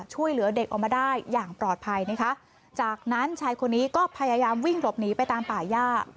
ช่วยเหลือเด็กออกมาได้อย่างปลอดภัยนะคะจากนั้นชายคนนี้ก็พยายามวิ่งหลบหนีไปตามป่าย่า